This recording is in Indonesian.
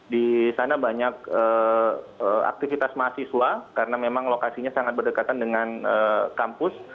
di sana banyak aktivitas mahasiswa karena memang lokasinya sangat berdekatan dengan kampus